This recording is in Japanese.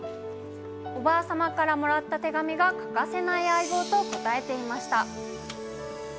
おばあ様からもらった手紙が欠かせない相棒と答えていました。